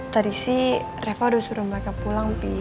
tadi sih reva udah suruh mereka pulang